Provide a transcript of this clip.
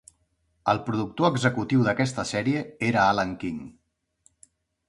El productor executiu d'aquesta sèrie era Alan King.